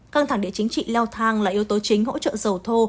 căng thẳng địa chính trị leo thang là yếu tố chính hỗ trợ dầu thô